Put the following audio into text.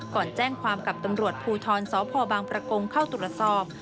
ก่อนแจ้งความกับตำรวจภูทรสพบางประกงเข้าตรวจสอบ